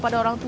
pada tahun itu